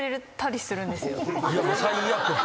いやもう最悪や。